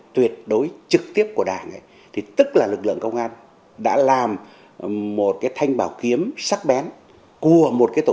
tuyệt đối trực tiếp của đảng tức là lực lượng công an đã làm một thanh bào kiếm sắc bén của một tổ